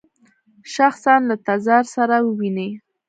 شخصاً له تزار سره وویني.